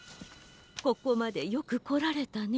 「ここまでよくこられたね。